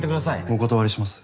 お断りします。